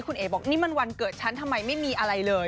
คุณเอ๋บอกนี่มันวันเกิดฉันทำไมไม่มีอะไรเลย